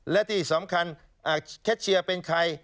และที่สำคัญแคชเชียร์เป็นใคร